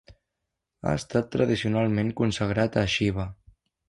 Ha estat tradicionalment consagrat a Xiva.